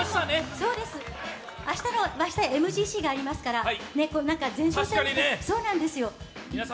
明日はＭＧＣがありますから前哨戦ですから。